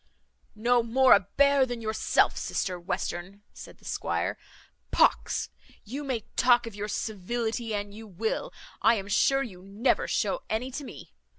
"No more a bear than yourself, sister Western," said the squire. "Pox! you may talk of your civility an you will, I am sure you never shew any to me.